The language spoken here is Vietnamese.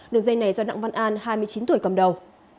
đường dây này do đặng văn an hai mươi chín tuổi cầm đầu